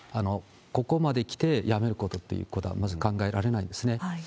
ここまできてやめることっていうのはまず考えられないですね。